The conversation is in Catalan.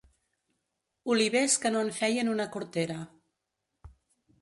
Olivers que no en feien una cortera.